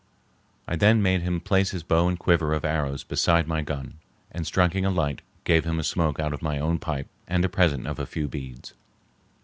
I then made him place his bow and quiver of arrows beside my gun, and striking a light gave him a smoke out of my own pipe and a present of a few beads.